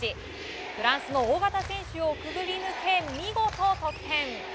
フランスの大型選手をくぐり抜け見事得点！